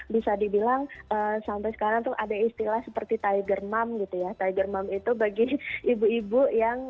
bisa dibilang sampai sekarang tetap ip sepeda tager numper dengan tiger neben itu bagi ibu ibu yang